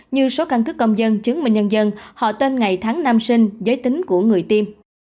như số căn cứ công dân chứng minh nhân dân họ tên ngày tháng nam sinh giới tính của người tiêm